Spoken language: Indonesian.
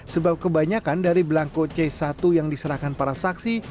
sebab kebanyakan dari belangko c satu yang diserahkan para saksi